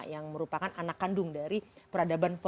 yang merupakan anak kandung dari peradaban